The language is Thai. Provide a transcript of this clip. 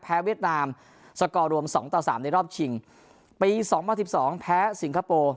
เวียดนามสกอร์รวมสองต่อสามในรอบชิงปีสองพันสิบสองแพ้สิงคโปร์